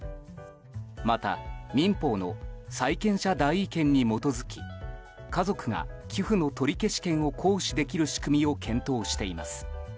また、民法の債権者代位権に基づき家族が寄付の取り消し権を行使できる仕組みを検討しています。